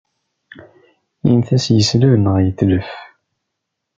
Init-as yesleb neɣ yetlef.